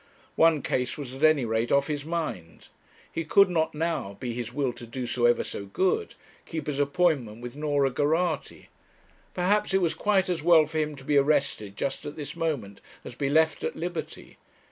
One case was at any rate off his mind; he could not now, be his will to do so ever so good, keep his appointment with Norah Geraghty. Perhaps it was quite as well for him to be arrested just at this moment, as be left at liberty.